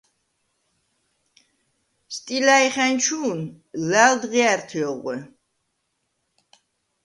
სტილა̈ჲხა̈ნჩუ̄ნ ლა̈ლდღია̈რთე ოღვე.